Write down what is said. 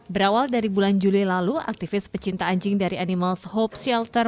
berawal dari bulan juli lalu aktivis pecinta anjing dari animals hope shelter